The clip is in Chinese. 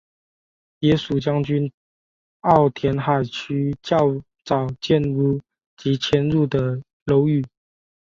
也属将军澳填海区较早建屋及迁入的楼宇。